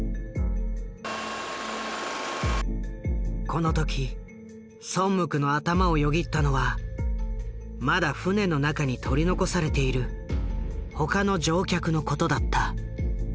この時ソンムクの頭をよぎったのはまだ船の中に取り残されている他の乗客のことだった。